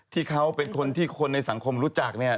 ที่เขาเป็นคนที่คนในสังคมรู้จักเนี่ย